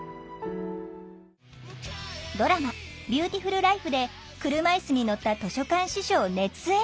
ドラマ「ビューティフルライフ」で車いすに乗った図書館司書を熱演！